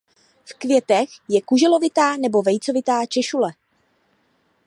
V květech je kuželovitá nebo vejcovitá češule.